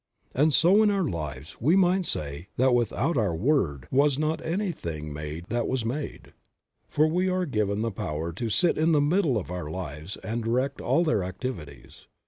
And so in our lives we might say that without our word Creative Mind. 19 was not anything made that was made. For we are given the power to sit in the midst of our lives and direct all their activities.